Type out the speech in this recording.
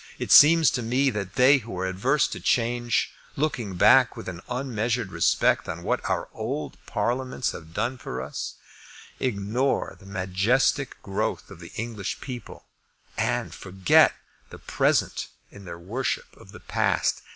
It seems to me that they who are adverse to change, looking back with an unmeasured respect on what our old Parliaments have done for us, ignore the majestic growth of the English people, and forget the present in their worship of the past.